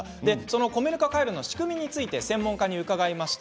米ぬかカイロの仕組みについて専門家に伺いました。